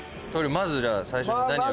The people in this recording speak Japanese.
まずじゃあ最初に何を？